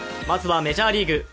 まずはメジャーリーグ。